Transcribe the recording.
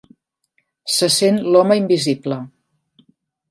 Se sent l'home invisible.